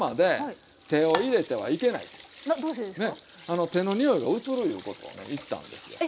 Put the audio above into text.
あの手のにおいが移るいうことをね言ったんですよ。